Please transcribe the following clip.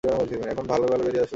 এখন ভালোই ভালোই বেরিয়ে এসো।